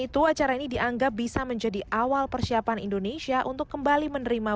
itu acara ini dianggap bisa menjadi awal persiapan indonesia untuk kembali menerima